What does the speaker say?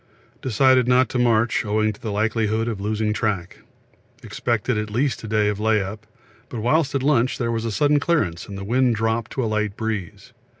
We decided not to march owing to likelihood of losing track; expected at least a day of lay up, but whilst at lunch there was a sudden clearance and wind dropped to light breeze.